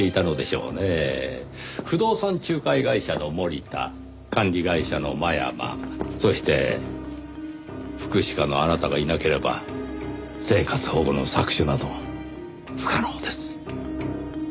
不動産仲介会社の森田管理会社の真山そして福祉課のあなたがいなければ生活保護の搾取など不可能です。